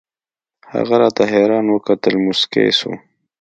هغه راته حيران وكتل موسكى سو.